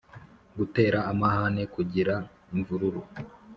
gutera amahane: kugira imvururu